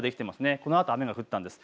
このあと雨が降ったんです。